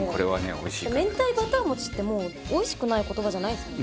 「明太バター餅」ってもうおいしくない言葉じゃないですもんね。